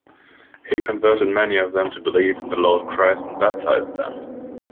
He converted many of them to believe in the Lord Christ and baptized them.